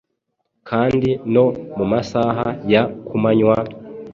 Kandi no mu masaha ya kumanywa,